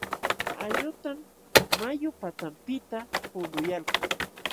Ayutam mayu patanpiqta hulquyalkan.